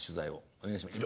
お願いします。